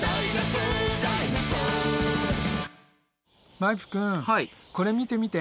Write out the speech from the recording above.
マイプくんこれ見て見て。